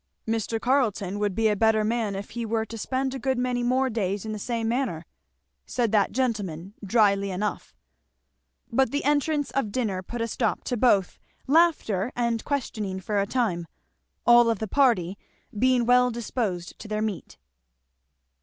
"Mr. Carleton would be a better man if he were to spend a good many more days in the same manner," said that gentleman, dryly enough. But the entrance of dinner put a stop to both laughter and questioning for a time, all of the party being well disposed to their meat.